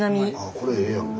これええやんか。